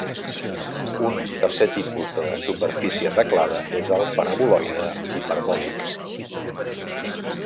Un tercer tipus de superfície reglada és el paraboloide hiperbòlic.